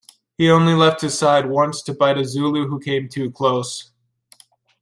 He only left his side once to bite a Zulu who came too close.